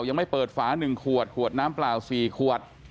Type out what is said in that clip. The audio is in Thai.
ยังไม่เปิดฝา๑ขวดขวดน้ำเปล่า๔ขวด